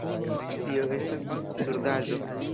Tio estas absurdaĵo!